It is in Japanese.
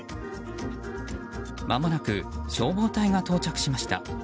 まもなく消防隊が到着しました。